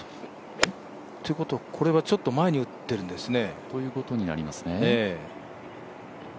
ということは、これはちょっと前に打ってるんですね。